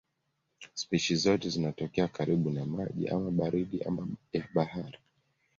Spishi zote zinatokea karibu na maji ama baridi ama ya bahari.